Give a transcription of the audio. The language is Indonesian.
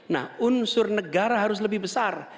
nah unsur negara harus lebih besar